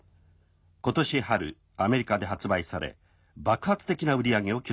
今年春アメリカで発売され爆発的な売り上げを記録しています」。